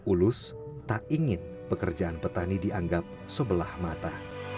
ulus tak ingin pekerjaan petani dianggap sebelah mata